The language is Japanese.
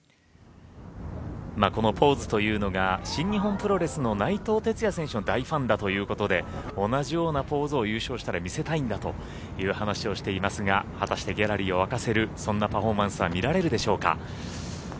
このポーズというのが新日本プロレスの内藤哲也さんの大ファンだということで同じようなポーズを優勝したら見せたいんだという話をしていますが、果たしてギャラリーを沸かせるそんなパフォーマンスは見られるでしょうか。